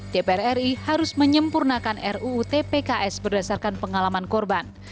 dpr ri harus menyempurnakan ruu tpks berdasarkan pengalaman korban